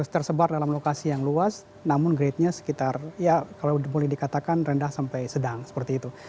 tersebar dalam lokasi yang luas namun grade nya sekitar ya kalau boleh dikatakan rendah sampai sedang seperti itu